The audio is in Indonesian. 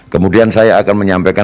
kemudian saya akan menyampaikan